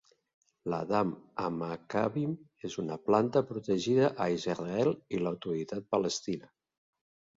La Dam Hamakabim és una planta protegida a Israel i l'Autoritat Palestina.